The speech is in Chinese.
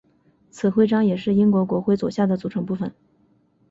此徽章也是英国国徽左下的组成部分。